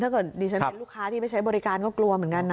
ดิฉันเป็นลูกค้าที่ไปใช้บริการก็กลัวเหมือนกันนะ